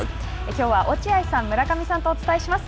きょうは落合さん、村上さんとお伝えします。